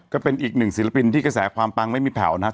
ก็เป็นอีกหนึ่งศิลปินที่กระแสความปังไม่มีแผ่วนะครับ